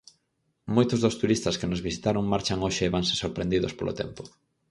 Moitos dos turistas que nos visitaron marchan hoxe e vanse sorprendidos polo tempo.